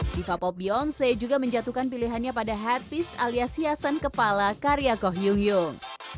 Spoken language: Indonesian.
cipapop beyonce juga menjatuhkan pilihannya pada headpiece alias hiasan kepala karya koh yung yung